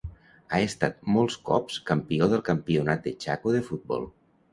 Ha estat molts cops campió del campionat de Chaco de futbol.